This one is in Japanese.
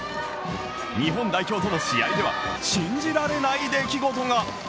日本代表との試合では信じられない出来事が。